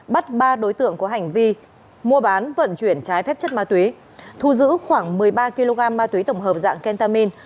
bắt ba đối tượng có hành vi mua bán vận chuyển trái phép chất ma túy thu giữ khoảng một mươi ba kg ma túy tổng hợp dạng kentamin